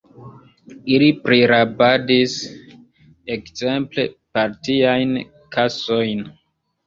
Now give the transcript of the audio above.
Ili prirabadis, ekzemple, partiajn kasojn.